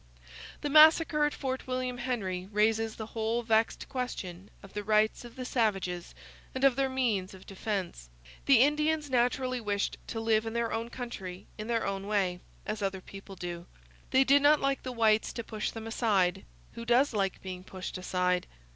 The massacre at Fort William Henry raises the whole vexed question of the rights of the savages and of their means of defence. The Indians naturally wished to live in their own country in their own way as other people do. They did not like the whites to push them aside who does like being pushed aside?